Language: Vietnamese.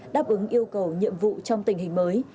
đáp ứng yêu cầu nhiệm vụ trong tình hình mới